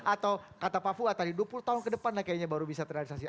atau kata pak fua tadi dua puluh tahun ke depan lah kayaknya baru bisa terrealisasi